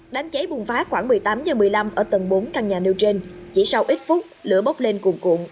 đám cháy bùng phá khoảng một mươi tám h một mươi năm ở tầng bốn căn nhà nêu trên chỉ sau ít phút lửa bốc lên cuồng cuộn